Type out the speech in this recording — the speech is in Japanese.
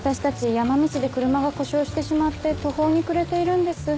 山道で車が故障してしまって途方に暮れているんです。